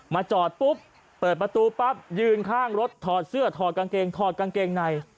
จอดปุ๊บเปิดประตูปั๊บยืนข้างรถถอดเสื้อถอดกางเกงถอดกางเกงใน